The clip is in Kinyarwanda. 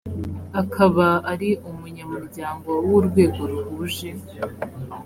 akaba ari umunyamuryango w urwego ruhuje